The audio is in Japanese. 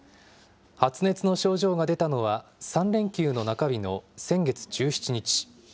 発熱の症状が出たのは、３連休の中日の先月１７日。